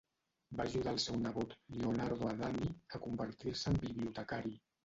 Va ajudar el seu nebot, Lionardo Adami, a convertir-se en bibliotecari.